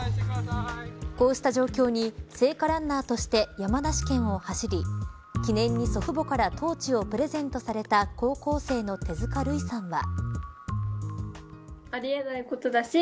こうした状況に聖火ランナーとして山梨県を走り記念に祖父母からトーチをプレゼントされた高校生の手塚類さんは。